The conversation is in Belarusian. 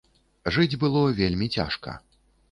Жыць было вельмі цяжка.